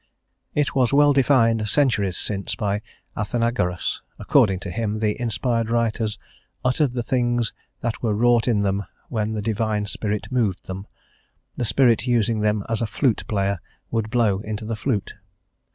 It was well defined centuries since by Athenagoras; according to him the inspired writers "uttered the things that were wrought in them when the Divine Spirit moved them, the Spirit using them as a flute player would blow into the flute."